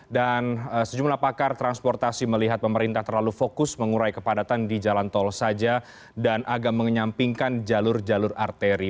dan sejumlah pakar transportasi melihat pemerintah terlalu fokus mengurai kepadatan di jalan tol saja dan agak menyampingkan jalur jalur arteri